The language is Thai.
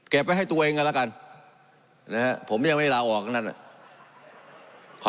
เก็บไว้ให้ตัวเองก็แล้วกันผมยังไม่ลาออกอย่างนั้น